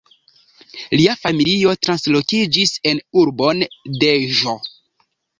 Lia familio translokiĝis en urbon Deĵo.